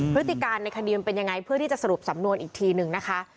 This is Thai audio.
พฤติการในคดีมันเป็นยังไงเพื่อที่จะสรุปสำนวนอีกทีนึงนะคะ